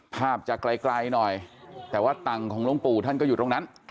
ภาพจะไกลหน่อยแต่ว่าตังค์ของหลวงปู่ท่านก็อยู่ตรงนั้น